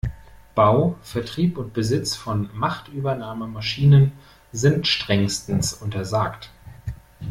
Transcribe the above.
Bau, Vertrieb und Besitz von Machtübernahmemaschinen sind strengstens untersagt.